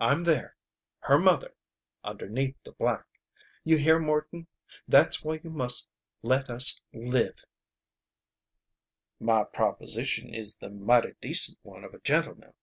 I'm there her mother underneath the black! You hear, Morton! That's why you must let us live " "My proposition is the mighty decent one of a gentleman."